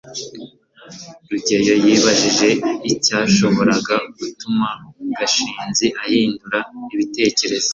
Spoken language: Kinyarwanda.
rugeyo yibajije icyashoboraga gutuma gashinzi ahindura ibitekerezo